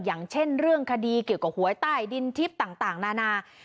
อย่างเช่นเรื่องคดีเกี่ยวกับหวยใต้ดินทิพย์ต่างนานา